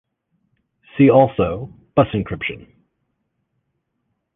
See also bus encryption.